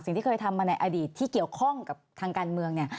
อย่างที่เคยทำมาในอดีตที่เกี่ยวข้องกับทางการเมือง